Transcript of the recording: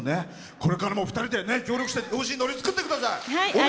これからも２人で協力して、のり作ってください。